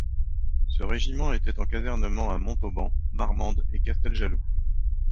Ce régiment était en casernement à Montauban, Marmande et Casteljaloux.